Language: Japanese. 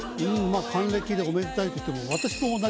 還暦でおめでたいといっても。